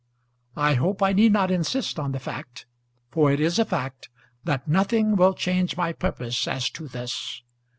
I hope I need not insist on the fact, for it is a fact, that nothing will change my purpose as to this.